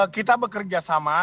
kita bekerja sama